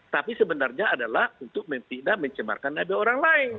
tapi sebenarnya adalah untuk mencemahkan nabai orang lain